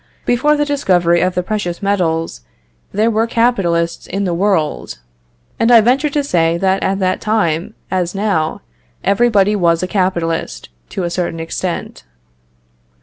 Before the discovery of the precious metals, there were capitalists in the world; and I venture to say that at that time, as now, everybody was a capitalist, to a certain extent.